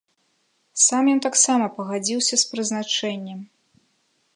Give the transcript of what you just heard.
Сам ён таксама пагадзіўся з прызначэннем.